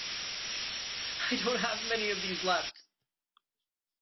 I don't have many of these left.